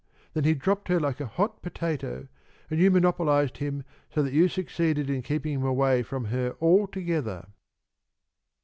Then he dropped her like a hot potato, and you monopolized him so that you succeeded in keeping him away from her altogether."